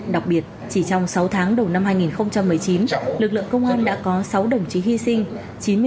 đặc biệt chỉ trong sáu tháng đầu năm hai nghìn một mươi chín lực lượng công an đã có sáu đồng chí hy sinh